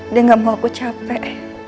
dia gak mau aku capek